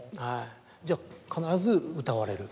じゃあ必ず歌われる？